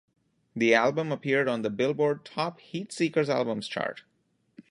The album appeared on the "Billboard" Top Heatseekers Albums Chart.